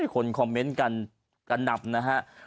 คนคอมเมนต์กันกันดับนะฮะ